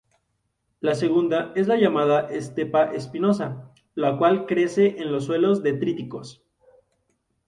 La segunda es la llamada estepa espinosa, la cual crece en suelos detríticos.